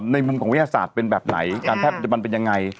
มุมของวิทยาศาสตร์เป็นแบบไหนการแพทย์มันเป็นยังไง